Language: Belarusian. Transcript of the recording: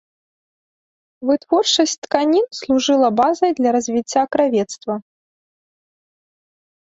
Вытворчасць тканін служыла базай для развіцця кравецтва.